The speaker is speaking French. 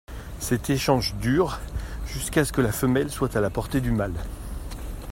Cet échange dure jusqu'à ce que la femelle soit à la portée du mâle.